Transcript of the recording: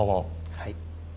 はい。